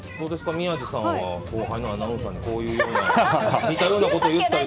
宮司さんは後輩のアナウンサーにこういうような似たようなことを言ったりとか？